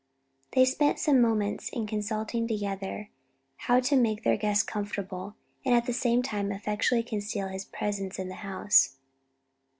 They spent some moments in consulting together how to make their guest comfortable and at the same time effectually conceal his presence in the house.